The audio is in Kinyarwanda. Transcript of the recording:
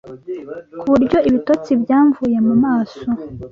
ku buryo ibitotsi byamvuye mu maso